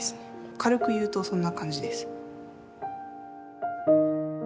軽く言うとそんな感じです。